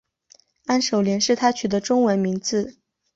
安守廉是他取的中文名字。